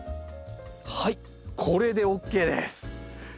はいこれでＯＫです。